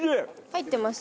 入ってます？